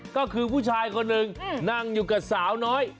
ก็คือผู้ชายคนหนึ่งนั่งอยู่กับสาวน้อย